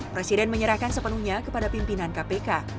presiden menyerahkan sepenuhnya kepada pimpinan kpk